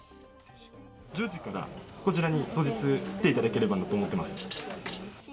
１０時から、こちらに当日、来ていただければと思っています。